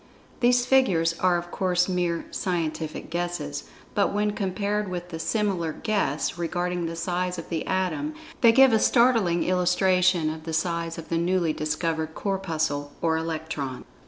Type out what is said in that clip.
These figures are of course mere "scientific guesses" but when compared with the similar "guess" regarding the size of the Atom, they give a startling illustration of the size of the newly discovered Corpuscle or Electron.